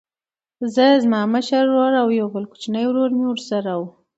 زه زما مشر ورور او یو بل کوچنی ورور مې ورسره و